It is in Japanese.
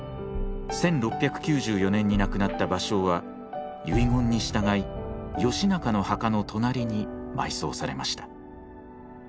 １６９４年に亡くなった芭蕉は遺言に従い義仲の墓の隣に埋葬されました。